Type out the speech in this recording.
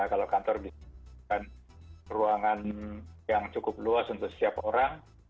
kalau kantor bisa ruangan yang cukup luas untuk setiap orang